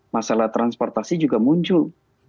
masalah transportasi juga muncul